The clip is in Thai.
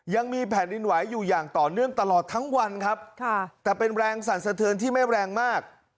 ยังมีแผ่นดินไหวอยู่อย่างต่อเนื่องตลอดทั้งวันครับค่ะแต่เป็นแรงสั่นสะเทือนที่ไม่แรงมาก